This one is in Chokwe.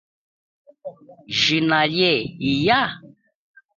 Jina lie iya?